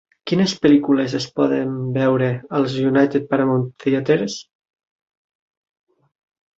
Quines pel·lícules es poden veure als United Paramount Theatres